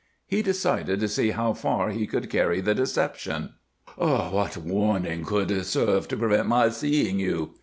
He decided to see how far he could carry the deception. "What warning could serve to prevent my seeing you?"